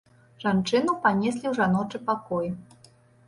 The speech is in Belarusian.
Жанчыну панеслі ў жаночы пакой.